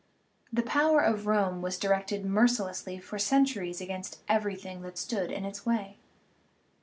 The power of Rome was directed mercilessly for centuries against everything that stood in its way.